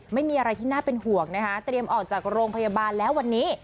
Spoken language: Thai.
ไม่มีอะไรที่น่าเป็นห่วงนะคะเตรียมออกจากโรงพยาบาลแล้ววันนี้